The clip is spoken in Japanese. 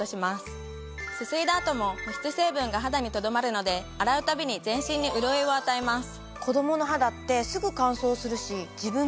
すすいだ後も保湿成分が肌にとどまるので洗うたびに全身に潤いを与えます。